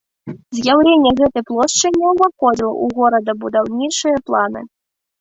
З'яўленне гэтай плошчы не ўваходзіла ў горадабудаўнічыя планы.